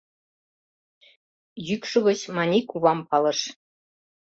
Йӱкшӧ гыч Маний кувам палыш.